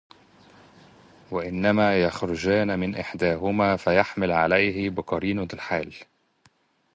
وَإِنَّمَا يَخْرُجَانِ مِنْ أَحَدِهِمَا فَيُحْمَلُ عَلَيْهِ بِقَرِينَةِ الْحَالِ